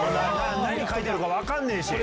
何書いてあるか分かんねえし。